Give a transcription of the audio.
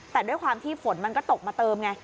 แต่ด้วยความที่ฝนมันก็ตกมาเติมไง